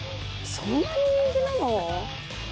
そんなに人気なの？